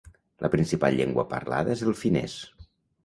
La principal llengua parlada és el finès.